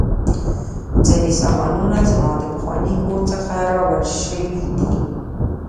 ځینې سامانونه زما د پخواني کور څخه راوړل شوي دي